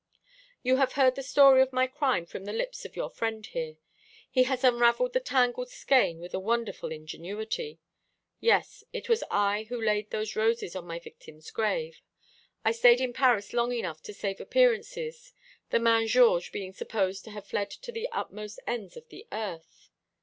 "You have heard the story of my crime from the lips of your friend here. He has unravelled the tangled skein with a wonderful ingenuity. Yes, it was I who laid those roses on my victim's grave. I stayed in Paris long enough to save appearances, the man Georges being supposed to have fled to the utmost ends of the earth.